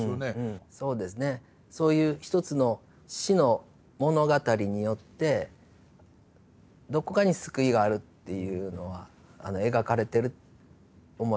そういう一つの死の物語によってどこかに救いがあるっていうのは描かれてる思いますね。